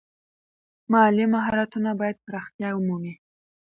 مالي مهارتونه باید پراختیا ومومي.